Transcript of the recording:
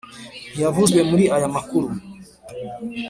ntiyavuzwe muri aya makuru